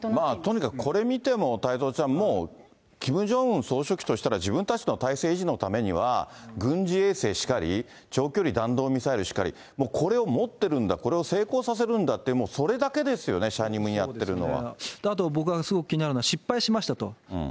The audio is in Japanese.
とにかくこれ見ても、太蔵ちゃん、もう、キム・ジョンウン総書記としたら、自分たちの体制維持のためには、軍事衛星しかり、長距離弾道ミサイルしかり、これを持ってるんだ、これを成功させるんだって、もうそれだけですよね、しゃにむにやってるのは。